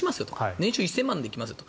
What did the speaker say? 年収１０００万円で行きますと。